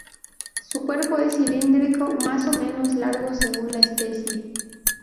Su cuerpo es cilíndrico, más o menos largo según la especie.